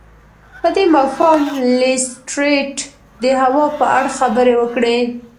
په دې ماښام لیسټرډ د هوا په اړه خبرې وکړې.